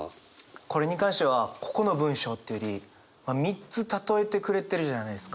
これに関してはここの文章っていうより３つたとえてくれてるじゃないですか。